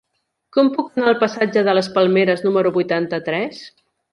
Com puc anar al passatge de les Palmeres número vuitanta-tres?